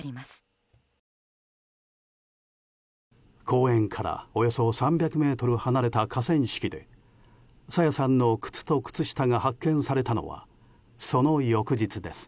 公園からおよそ３００ｍ離れた河川敷で朝芽さんの靴と靴下が発見されたのはその翌日です。